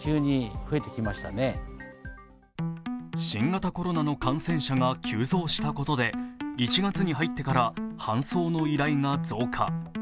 新型コロナの感染者が急増したことで１月に入ってから搬送の依頼が増加。